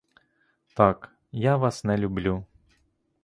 Так, я вас не люблю.